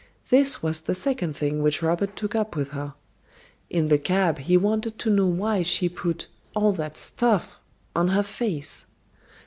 This was the second thing which Robert took up with her. In the cab he wanted to know why she put "all that stuff" on her face.